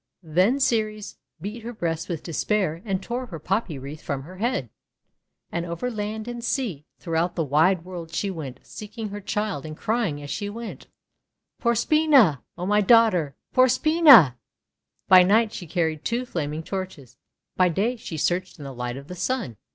Then Ceres beat her breast with despair and tore her Poppy Wreath from her head. And over land and sea, throughout the wide world, she went, seeking her child, and crying as she went :—" Proserpina! O my Daughter! Proserpina !': By night she carried two flaming torches, by day she searched in the light of the Sun.